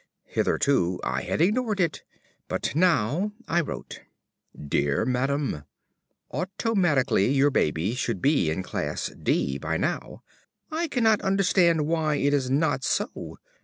Hitherto I had ignored it. But now I wrote: Dear Madam, Automatically your baby should be in Class D by now. I cannot understand why it is not so.